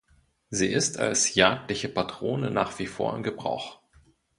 Sie ist als jagdliche Patrone nach wie vor im Gebrauch.